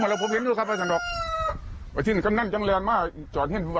เร็วกับเขาคอยมาต้องห่วงแล้วครับ